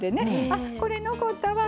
「あっこれ残ったわ。